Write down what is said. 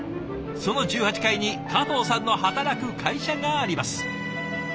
その１８階に加藤さんの働く会社があります。